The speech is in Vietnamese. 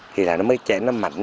thì là nó mới chạy nó mạnh